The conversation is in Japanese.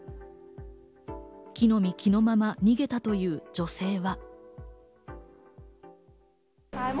着の身着のまま逃げたという女性は。